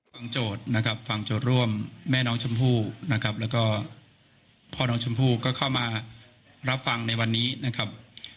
โจทย์นะครับฟังโจทย์ร่วมแม่น้องชมพู่นะครับแล้วก็พ่อน้องชมพู่ก็เข้ามารับฟังในวันนี้นะครับ